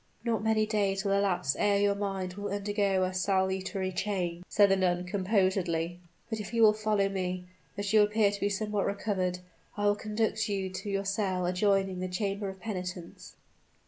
"Not many days will elapse ere your mind will undergo a salutary change," said the nun, composedly. "But if you will follow me as you appear to be somewhat recovered I will conduct you to your cell adjoining the Chamber of Penitence."